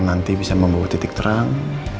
nanti bisa membawa titik terang